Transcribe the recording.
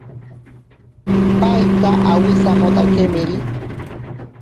Paita awisamotakemiri.